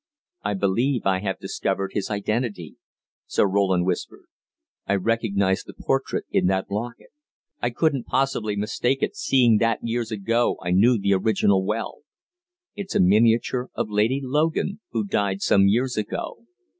"I believe I have discovered his identity," Sir Roland whispered. "I recognize the portrait in that locket; I couldn't possibly mistake it seeing that years ago I knew the original well. It's a miniature of Lady Logan, who died some years ago.